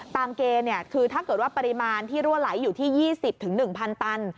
เกณฑ์คือถ้าเกิดว่าปริมาณที่รั่วไหลอยู่ที่๒๐๑๐๐ตัน